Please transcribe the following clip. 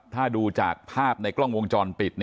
ถ้าดูจากภาพในกล้องวงจรปิด